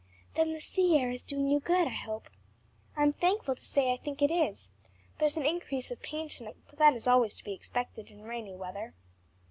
"Then the sea air is doing you good, I hope." "I'm thankful to say I think it is. There's an increase of pain to night, but that is always to be expected in rainy weather."